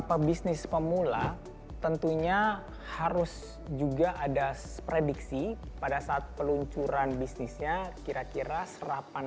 pebisnis pemula tentunya harus juga ada prediksi pada saat peluncuran bisnisnya kira kira serapan